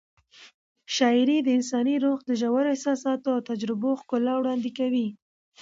شاعري د انساني روح د ژورو احساساتو او تجربو ښکلا وړاندې کوي.